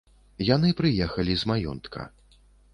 Яны прыехалі з маёнтка.